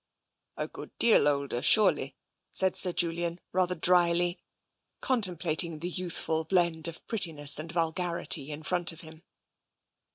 " A good deal older, surely," said Sir Julian rather drily, contemplating the youthful blend of prettiness and vulgarity in front of him.